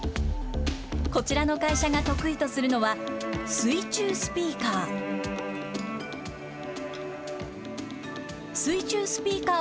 こちらの会社が得意とするのは、水中スピーカー。